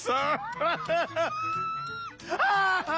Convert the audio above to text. ハハハハ。